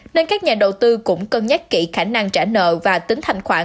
nên các nhà đầu tư cũng cân nhắc kỹ khả năng trả nợ và tính thành khoản